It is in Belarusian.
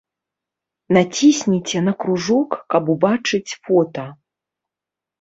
Націсніце на кружок, каб убачыць фота.